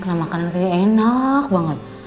kita makan makanan tadi enak banget